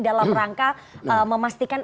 dalam rangka memastikan